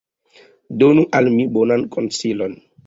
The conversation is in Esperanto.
Donu al mi bonan konsilon.